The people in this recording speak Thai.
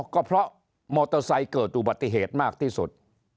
ก็เพราะมอเตอร์ไซค์เกิดอุบัติเหตุมากที่สุด